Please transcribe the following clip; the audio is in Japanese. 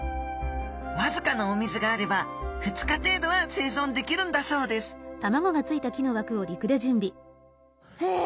わずかなお水があれば２日程度は生存できるんだそうですへえ！